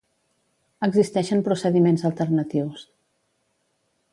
Existeixen procediments alternatius.